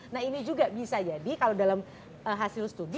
nah ini juga bisa jadi kalau dalam hasil studi